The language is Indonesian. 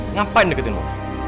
ngapain deketin om